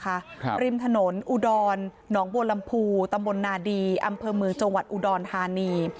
ครับริมถนนอุดรหนองบัวลำพูตำบลนาดีอำเภอเมืองจังหวัดอุดรธานี